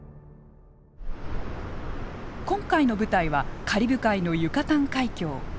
今回の舞台はカリブ海のユカタン海峡。